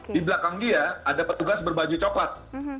di belakang dia ada petugas berbaju coklat